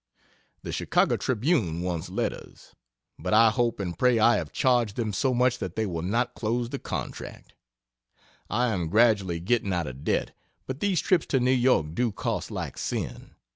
The Chicago Tribune wants letters, but I hope and pray I have charged them so much that they will not close the contract. I am gradually getting out of debt, but these trips to New York do cost like sin.